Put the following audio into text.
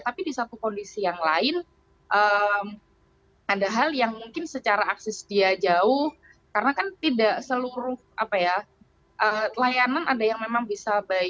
tapi di satu kondisi yang lain ada hal yang mungkin secara akses dia jauh karena kan tidak seluruh layanan ada yang memang bisa baik